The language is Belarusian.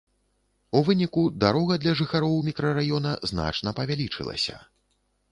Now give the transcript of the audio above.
У выніку дарога для жыхароў мікрараёна значна павялічылася.